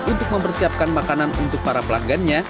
untuk mempersiapkan makanan untuk para pelanggannya